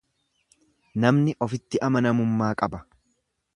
Namni ofitti amanamummaa qaba.